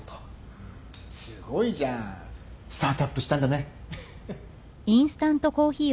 すごいじゃん。スタートアップしたんだね